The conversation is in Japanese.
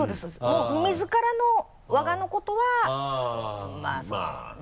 もう自らの我がのことはまぁそうよね。